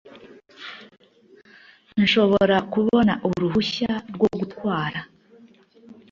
Nshobora kubona uruhushya rwo gutwara